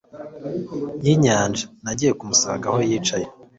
yinyanja Nagiye kumusanga aho yicaye